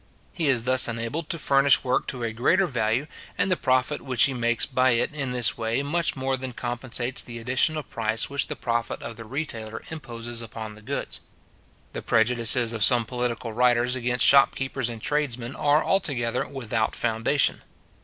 He is thus enabled to furnish work to a greater value; and the profit which he makes by it in this way much more than compensates the additional price which the profit of the retailer imposes upon the goods. The prejudices of some political writers against shopkeepers and tradesmen are altogether without foundation.